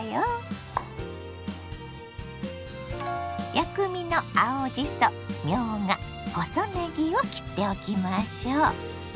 薬味の青じそみょうが細ねぎを切っておきましょ。